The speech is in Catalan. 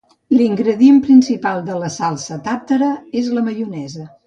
L'ingredient principal de la salsa tàrtara és la maionesa.